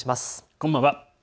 こんばんは。